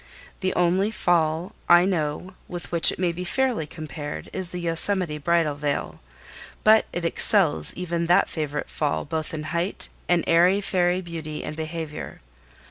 The only fall I know with which it may fairly be compared is the Yosemite Bridal Veil; but it excels even that favorite fall both in height and airy fairy beauty and behavior.